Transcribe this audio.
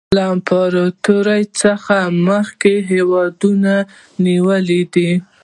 له امپراطورۍ څخه موخه د هېوادونو نیول دي